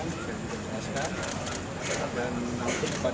menjawab penguang gas